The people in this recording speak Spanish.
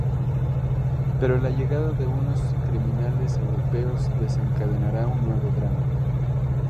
Pero la llegada de unos criminales europeos desencadenará un nuevo drama.